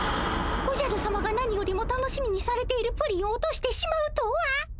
おじゃるさまが何よりも楽しみにされているプリンを落としてしまうとは。